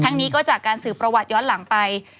นี้ก็จากการสืบประวัติย้อนหลังไป